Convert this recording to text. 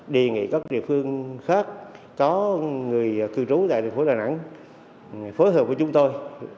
đề nghị các địa phương khác có người cư trú tại thành phố đà nẵng phối hợp với chúng tôi